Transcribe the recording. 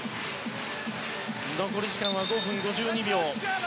残り時間は５分５２秒。